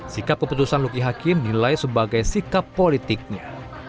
sikap keputusan luki hakim nilai sebagai sikap politiknya